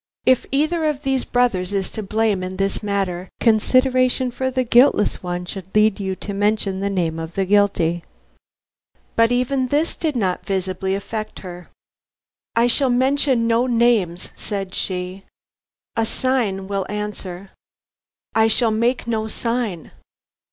If either of these brothers is to blame in this matter, consideration for the guiltless one should lead you to mention the name of the guilty." But even this did not visibly affect her. "I shall mention no names," said she. "A sign will answer." "I shall make no sign."